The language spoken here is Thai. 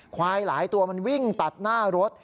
ควายหลายตัวมันวิ่งตัดหน้ารถ